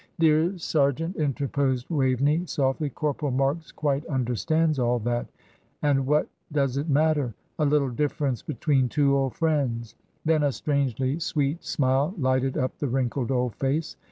"Dear Sergeant," interposed Waveney, softly, "Corporal Marks quite understands all that; and what does it matter? a little difference between two old friends!" Then a strangely sweet smile lighted up the wrinkled old face.